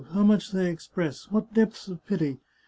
" How much they express ! what depths of pity